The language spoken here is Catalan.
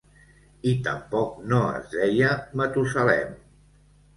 I tampoc no es deia Matusalem.